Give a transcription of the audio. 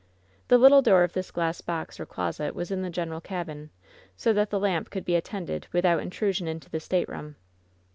The little door of this glass box or closet was in the general cabin, so that the lamp could be attended without intrusion into the stateroom.